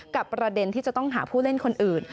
ประเด็นที่จะต้องหาผู้เล่นคนอื่น